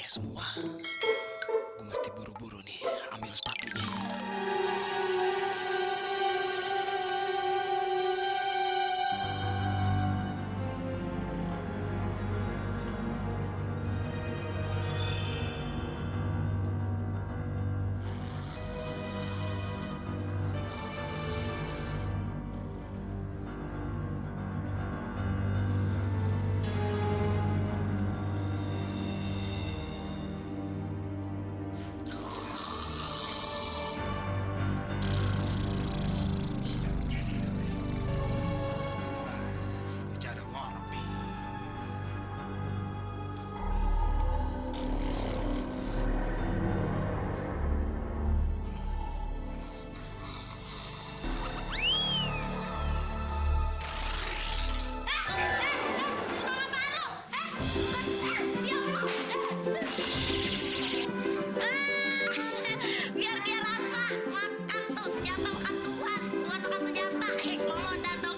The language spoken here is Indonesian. sampai jumpa di video selanjutnya